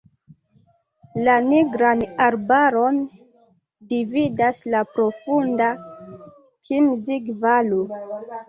La Nigran arbaron dividas la profunda Kinzig-valo.